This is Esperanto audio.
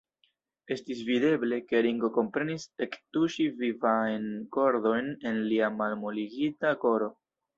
Estis videble, ke Ringo komprenis ektuŝi vivajn kordojn en lia malmoligita koro.